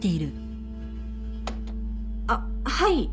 あっはい。